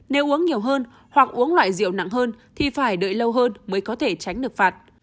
nếu uống nhiều hơn hoặc uống loại rượu nặng hơn thì phải đợi lâu hơn mới có thể tránh được phạt